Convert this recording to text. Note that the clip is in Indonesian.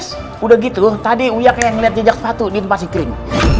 sudah gitu tadi saya kayak melihat jejak sepatu di tempat si kling